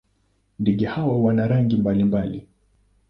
Ndege hawa wana rangi mbalimbali.